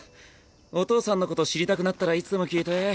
お父さんのこと知りたくなったらいつでも聞いて。